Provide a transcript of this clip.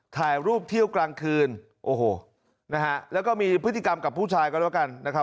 ถ่ายรูปเที่ยวกลางคืนโอ้โหนะฮะแล้วก็มีพฤติกรรมกับผู้ชายก็แล้วกันนะครับ